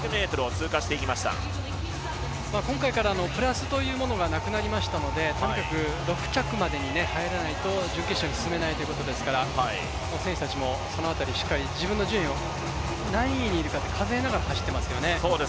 今回からプラスというものがなくなりましたのでとにかく６着までに入らないと準決勝に進めませんから選手たちもその辺りしっかり自分の順位を、何位にいるか数えながら走ってますよね。